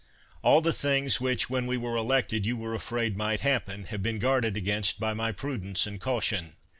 All the things which when we were elected you were afraid might hap pen, have been guarded against by my prudence and caution.